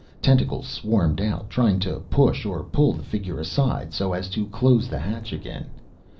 Tentacles swarmed out, trying to push or pull the figure aside so as to close the hatch again.